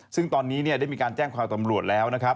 ซึ่งตอนนี้ได้มีการแจ้งความตำรวจแล้วนะครับ